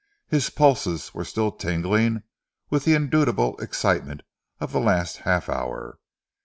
His pulses were still tingling with the indubitable excitement of the last half hour.